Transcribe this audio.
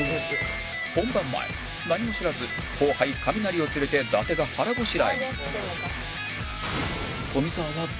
本番前何も知らず後輩カミナリを連れて伊達が腹ごしらえに